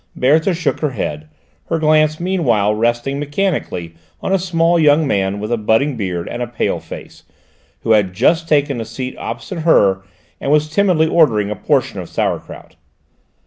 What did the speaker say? Berthe shook her head, her glance meanwhile resting mechanically on a small young man with a budding beard and a pale face, who had just taken a seat opposite her and was timidly ordering a portion of sauerkraut.